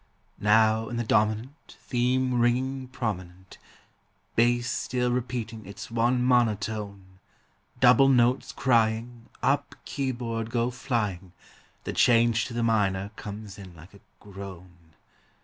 Now in the dominant Theme ringing prominent, Bass still repeating its one monotone, Double notes crying, Up keyboard go flying, The change to the minor comes in like a groan.